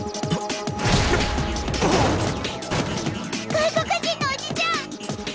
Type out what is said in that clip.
外国人のおじちゃん！